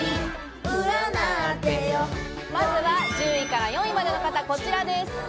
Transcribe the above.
まずは１０位から４位までの方、こちらです。